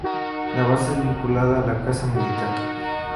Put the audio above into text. La base es vinculada a la Casa militar.